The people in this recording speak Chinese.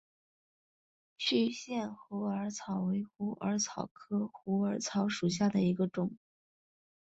区限虎耳草为虎耳草科虎耳草属下的一个种。